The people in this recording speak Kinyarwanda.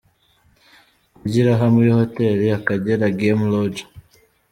Kurya iraha muri Hotel Akagera Game Lodge